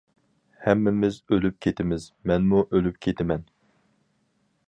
ھەممىمىز ئۆلۈپ كېتىمىز، مەنمۇ ئۆلۈپ كېتىمەن.